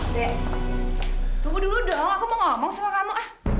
nek tunggu dulu dong aku mau ngomong sama kamu